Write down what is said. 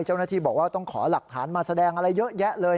เจ้าหน้าที่บอกว่าต้องขอหลักฐานมาแสดงอะไรเยอะแยะเลย